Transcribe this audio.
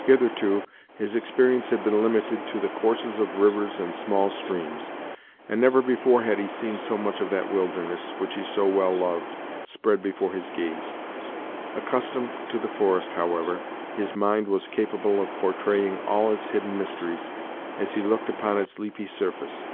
Hitherto, his experience had been limited to the courses of rivers and smaller streams, and never before had he seen so much of that wilderness, which he so well loved, spread before his gaze. Accustomed to the forest, however, his mind was capable of portraying all its hidden mysteries, as he looked upon its leafy surface.